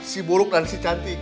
si burung dan si cantik